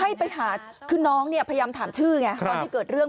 ให้ไปหาคือน้องเนี่ยพยายามถามชื่อไงตอนที่เกิดเรื่อง